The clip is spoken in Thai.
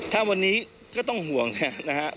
ถ้าวันนี้ก็ต้องห่วงนะครับ